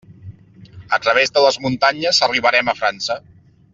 A través de les muntanyes arribarem a França.